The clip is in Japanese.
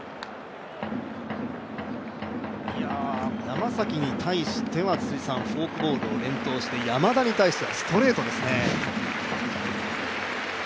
山崎に対してはフォークボールを連投して山田に対してはストレートですね。